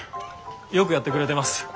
よくやってくれてます。